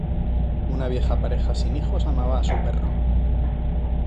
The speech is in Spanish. Una vieja pareja sin hijos amaba a su perro.